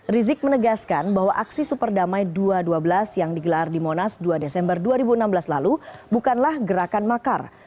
rizik menegaskan bahwa aksi superdamai dua ratus dua belas yang digelar di monas dua desember dua ribu enam belas lalu bukanlah gerakan makar